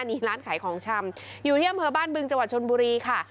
นี่ร้านขายของชำอยู่ที่อำเภอบ้านบึงจังหวัดชนบุรีค่ะ